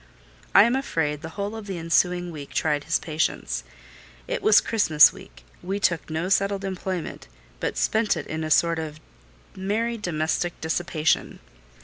I am afraid the whole of the ensuing week tried his patience. It was Christmas week: we took to no settled employment, but spent it in a sort of merry domestic dissipation.